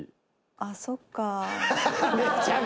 「ああそっか」